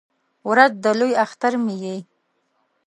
ورځ د لوی اختر مې یې